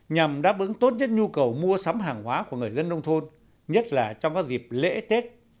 nhằm đáp ứng tốt nhất nhu cầu mua sắm hàng hóa của người dân nông thôn nhất là trong các dịp lễ tết